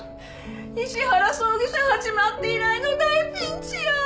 石原葬儀社始まって以来の大ピンチや！